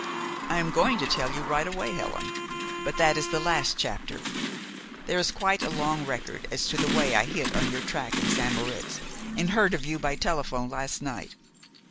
"I am going to tell you right away Helen. But that is the last chapter. There is quite a long record as to the way I hit on your track in St. Moritz, and heard of you by telephone last night.